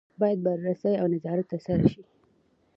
باید بررسي او نظارت ترسره شي.